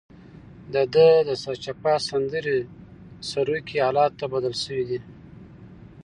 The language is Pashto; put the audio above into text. دده د سرچپه سندرې سروکي حالاتو ته بدل شوي دي.